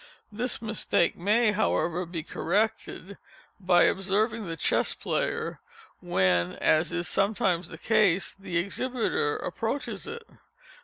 This mistake may, however, be corrected by observing the Chess Player when, as is sometimes the case, the exhibiter approaches it.